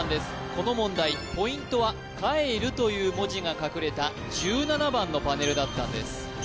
この問題ポイントは「帰る」という文字が隠れた１７番のパネルだったんです